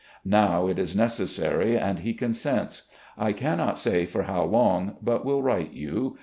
Now it is necessary and he consents, I can not say for how long, but Asrill write you